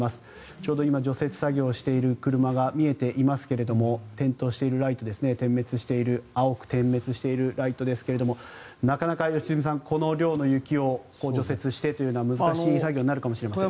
ちょうど今、除雪作業をしている車が見えていますが点灯しているライト青く点滅しているライトですがなかなか良純さんこの量の雪を除雪してというのは難しい作業になるかもしれません。